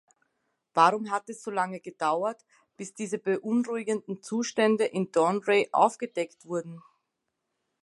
Warum hat es so lange gedauert, bis diese beunruhigenden Zustände in Dounreay aufgedeckt wurden?